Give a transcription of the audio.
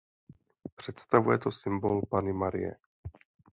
Představuje to symbol Panny Marie.